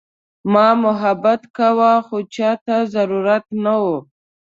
ما محبت کاوه خو چاته ضرورت نه وه.